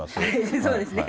そうですね。